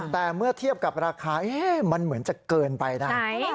แต่เมื่อเทียบกับราคามันเหมือนจะเกินไปนะ